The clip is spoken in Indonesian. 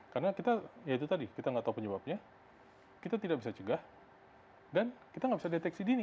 karena kita ya itu tadi kita nggak tahu penyebabnya kita tidak bisa cegah dan kita nggak bisa deteksi dini